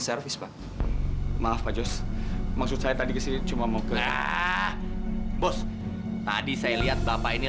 sampai kapan resep ini